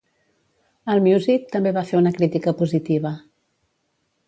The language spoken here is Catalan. Allmusic també va fer una crítica positiva.